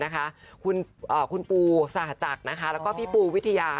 คุณปูสหจักรรม์และพี่ปูวิทยา